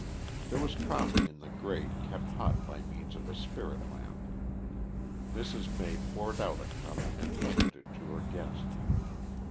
There was coffee in the grate kept hot by means of a spirit lamp. Mrs. May poured out a cup and handed it to her guest.